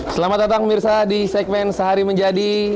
selamat datang mirsa di segmen sehari menjadi